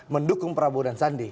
mendukung prabowo dan sandi